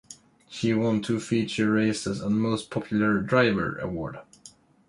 She won two feature races and the Most Popular Driver Award.